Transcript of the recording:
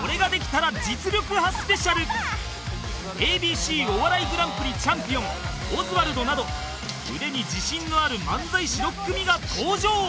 ＡＢＣ お笑いグランプリチャンピオンオズワルドなど腕に自信のある漫才師６組が登場